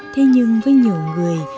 thế nhưng với nhiều người